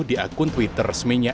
di akun twitter resminya